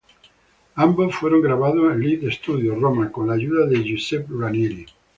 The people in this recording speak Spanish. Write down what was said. Ambos fueron grabados en Lead Studios, Roma, con la ayuda de Giuseppe Ranieri.